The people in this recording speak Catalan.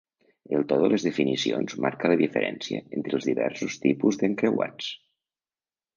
El to de les definicions marca la diferència entre els diversos tipus d'encreuats.